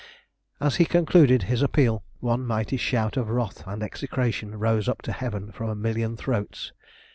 As he concluded his appeal, one mighty shout of wrath and execration rose up to heaven from a million throats.